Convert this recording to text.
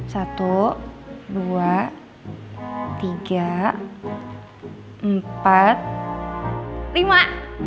satu dua tiga empat lima